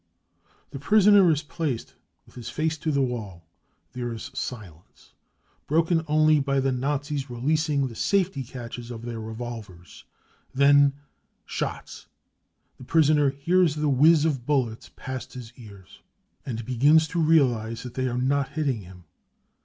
55 The prisoner is placed with his face to the wall ; there is silence, broken only by the Nazis releasing the safety catches of their revolvers. Then shots : the prisoner hears the whizz of bullets past his ears, and begins to realise that they are not hitting him.